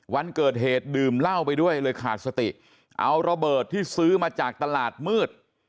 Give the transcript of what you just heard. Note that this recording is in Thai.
วันเกิดเหตุดื่มเหล้าไปด้วยเลยขาดสติเอาระเบิดที่ซื้อมาจากตลาดมืด